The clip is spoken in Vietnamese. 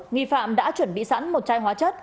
nghi phạm đã chuẩn bị sẵn một chai hóa chất